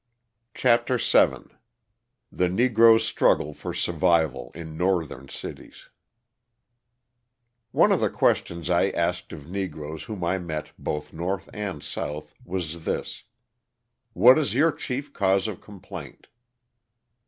CHAPTER VII THE NEGROES' STRUGGLE FOR SURVIVAL IN NORTHERN CITIES One of the questions I asked of Negroes whom I met both North and South was this: "What is your chief cause of complaint?"